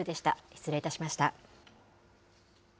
失礼いたしました。